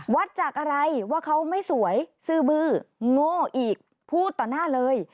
วัดจากอะไรว่าเขาไม่สวยซื้อบื้อโง่อีกพูดต่อหน้าเลย